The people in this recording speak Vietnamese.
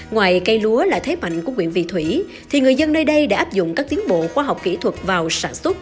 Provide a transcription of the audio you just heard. ngoài cây lúa là thế mạnh của quyện vị thủy thì người dân nơi đây đã áp dụng các tiến bộ khoa học kỹ thuật vào sản xuất